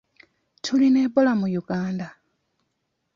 Tulina Ebola mu Uganda?